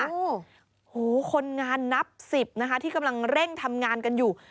โอ้โหคนงานนับสิบนะคะที่กำลังเร่งทำงานกันอยู่